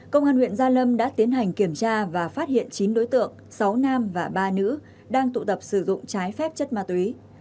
công an huyện gia lâm đã tiến hành kiểm tra và phát hiện chín đối tượng sáu nam và ba nữ đang tụ tập sử dụng trái phép chất ma túy